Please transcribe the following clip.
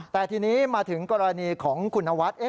แต่ทีนี้มาถึงกรณีของคุณนวัฒน์